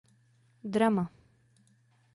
Drama.